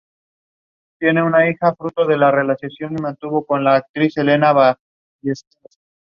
Lleva bloqueador y repelente de mosquitos.